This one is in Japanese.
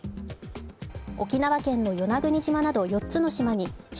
沖縄県の与那国島など４つの島に地